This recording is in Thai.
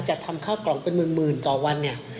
จัดทำข้าวกล่องเป็นหมื่นต่อวัน